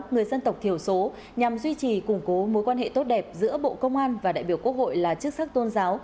người dân tộc thiểu số nhằm duy trì củng cố mối quan hệ tốt đẹp giữa bộ công an và đại biểu quốc hội là chức sắc tôn giáo